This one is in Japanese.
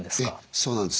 そうなんです。